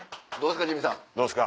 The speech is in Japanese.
どうですか？